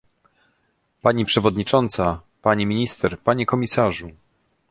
Pani przewodnicząca, pani minister, panie komisarzu